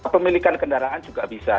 pemilikan kendaraan juga bisa